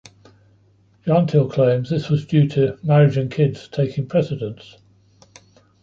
Jenteal claims this was due to "marriage and kids" taking "precedence".